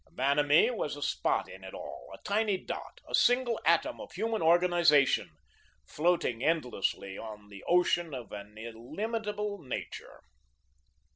Vanamee was a spot in it all, a tiny dot, a single atom of human organisation, floating endlessly on the ocean of an illimitable nature.